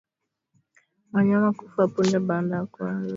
Wanyama kufa punde baada ya kuanza kuugua